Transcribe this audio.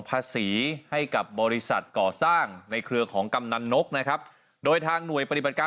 ภาษีให้กับบริษัทก่อสร้างในเครือของกำนันนกนะครับโดยทางหน่วยปฏิบัติการ